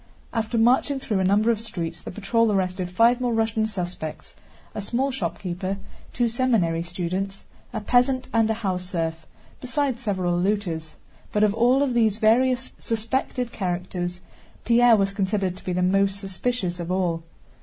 After marching through a number of streets the patrol arrested five more Russian suspects: a small shopkeeper, two seminary students, a peasant, and a house serf, besides several looters. But of all these various suspected characters, Pierre was considered to be the most suspicious of all.